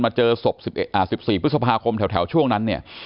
เจอศพ๑๔พฤษภาคมแถวช่วงนั้นเนี่ย